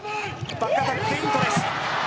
バックアタック、フェイントだ。